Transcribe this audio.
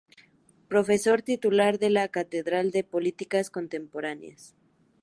Profesor Titular de la Cátedra de "Política Contemporánea".